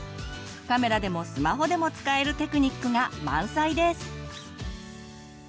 カメラでもスマホでも使えるテクニックが満載です！